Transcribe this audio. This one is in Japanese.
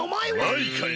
マイカよ。